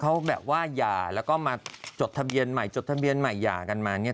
เขาแบบว่าหย่าแล้วก็มาจดทะเบียนใหม่จดทะเบียนใหม่หย่ากันมาเนี่ย